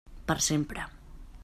Per sempre.